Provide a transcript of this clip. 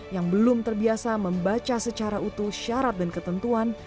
yang belum terbiasa membaca secara utuh syarat dan ketentuan